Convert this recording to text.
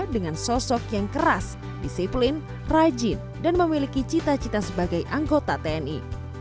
dengan sosok yang keras disiplin rajin dan memiliki cita cita sebagai anggota tni